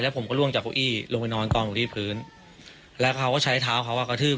ผมก็ล่วงจากเก้าอี้ลงไปนอนกองอยู่ที่พื้นแล้วเขาก็ใช้เท้าเขาอ่ะกระทืบ